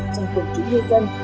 trong cuộc chủ yếu dân